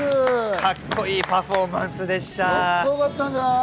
カッコいいパフォーマンスでした。